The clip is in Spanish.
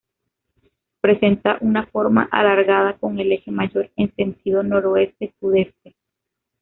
Presenta una forma alargada con el eje mayor en sentido noroeste-sudeste.